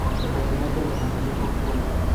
Pertenece a la compañía Coca-Cola.